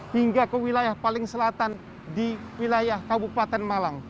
hingga ke wilayah paling selatan di wilayah kabupaten malang